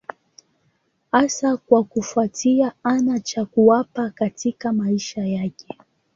Hasa kwa kufuatia hana cha kuwapa katika maisha yake.